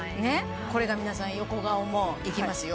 これが皆さん横顔もいきますよ